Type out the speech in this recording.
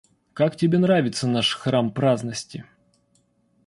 Как тебе нравится наш храм праздности?